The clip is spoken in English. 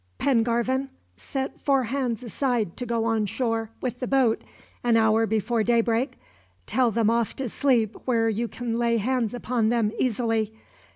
"Pengarvan, set four hands aside to go on shore, with the boat, an hour before daybreak. Tell them off to sleep where you can lay hands upon them, easily.